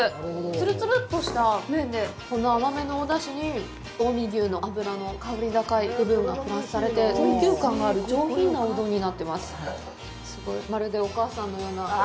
つるつるっとした麺で、この甘めのお出汁に近江牛の脂の香り高い部分がプラスされて、高級感がある上品なおうどんになってます。